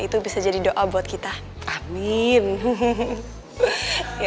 itu bisa menjadi suatu yang berharga dan menarik untuk kita semua ya